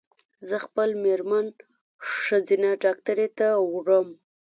زه خپل مېرمن ښځېنه ډاکټري ته وړم